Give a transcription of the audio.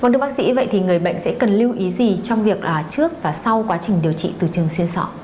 vâng thưa bác sĩ vậy thì người bệnh sẽ cần lưu ý gì trong việc là trước và sau quá trình điều trị từ trường xuyên sọ